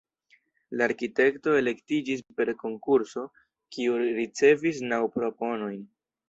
La arkitekto elektiĝis per konkurso, kiu ricevis naŭ proponojn.